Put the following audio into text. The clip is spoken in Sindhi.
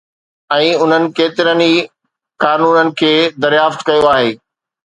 ۽ انهن ڪيترن ئي قانونن کي دريافت ڪيو آهي